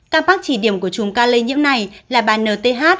các bác chỉ điểm của chùm ca lây nhiễm này là bà n t h